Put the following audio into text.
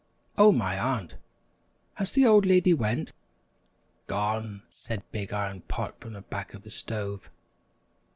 "Oh, my aunt! has the old lady went?" "Gone!" said Big Iron Pot from the back of the stove.